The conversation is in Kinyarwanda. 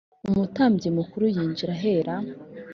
umutambyi mukuru yinjira Ahera.